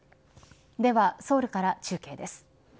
では、ソウルから中継です。